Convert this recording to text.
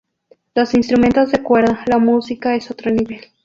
Los instrumentos de cuerda, la música es otro nivel.